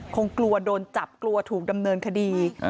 คงกลัวโดนจับกลัวถูกดำเนินคดี